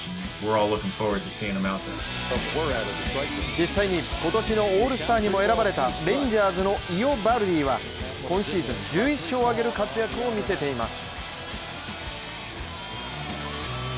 実際に、今年のオールスターにも選ばれたレンジャーズのイオバルディは今シーズン１１勝を挙げる活躍を見せています。